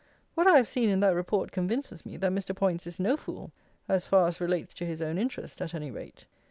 What I have seen in that Report convinces me that Mr. Poyntz is no fool, as far as relates to his own interest, at any rate.